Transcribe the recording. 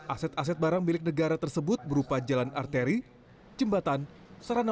aset aset barang milik negara tersebut berupa jalan arteri jembatan sarana